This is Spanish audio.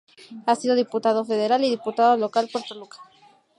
Ha sido Diputado Federal y Diputado Local por Toluca.